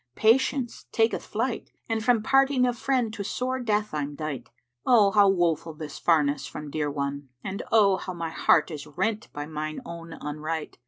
Patience taketh flight: * And from parting of friend to sore death I'm dight: O how woeful this farness from dear one, and oh * How my heart is rent by mine own unright!